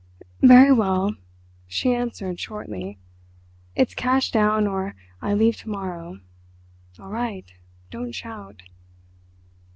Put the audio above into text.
"Very well!" she answered shortly; "it's cash down or I leave to morrow. All right: don't shout."